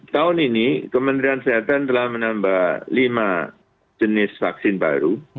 tahun ini kementerian kesehatan telah menambah lima jenis vaksin baru